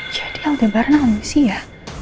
jadi aldebaran amisi ya